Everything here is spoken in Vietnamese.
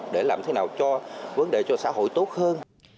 để làm thế nào cho vấn đề cho xã hội tốt hơn